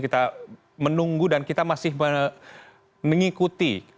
kita menunggu dan kita masih mengikuti